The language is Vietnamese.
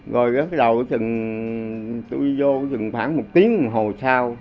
rồi cái đầu tôi vô khoảng một tiếng một hồi sau